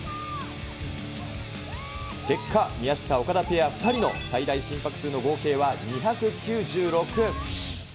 結果、宮下・岡田ペア２人の最大心拍数の合計は２９６。